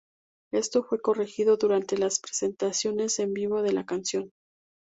Esto fue corregido durante las presentaciones en vivo de la canción.